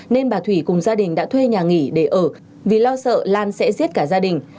nên bà thủy cùng gia đình đã thuê nhà nghỉ để ở vì lo sợ lan sẽ giết cả gia đình